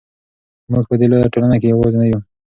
موږ په دې لویه ټولنه کې یوازې نه یو.